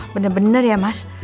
bener bener ya mas